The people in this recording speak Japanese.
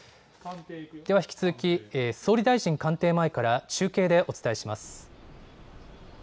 では引き続き、総理大臣官邸前から中継でお伝えします。